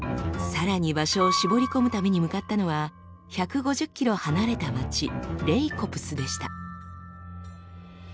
さらに場所を絞り込むために向かったのは１５０ｋｍ離れた町レイコプスでした。